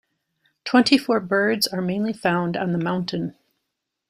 Twenty-four birds are mainly found on the mountain.